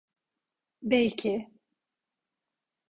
Belki...